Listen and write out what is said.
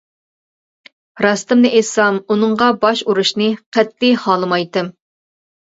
راستىمنى ئېيتسام ئۇنىڭغا باش ئۇرۇشنى قەتئىي خالىمايتتىم.